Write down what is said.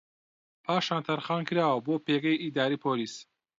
پاشان تەرخان کراوە بۆ پێگەی ئیداریی پۆلیس